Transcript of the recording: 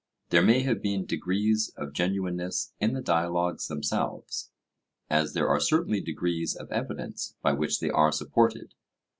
There may have been degrees of genuineness in the dialogues themselves, as there are certainly degrees of evidence by which they are supported.